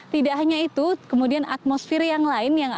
tidak hanya itu kemudian atmosfer yang lain